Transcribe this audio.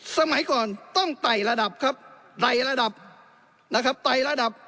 สมัยก่อนต้องไต่ระดับครับไต่ระดับนะครับไต่ระดับ